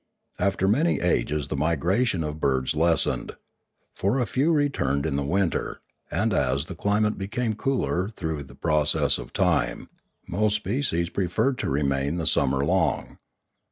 After many ages the migration of birds lessened; for few returned in the winter, and as the climate became cooler through pro cess of time, most species preferred to remain the sum mer long.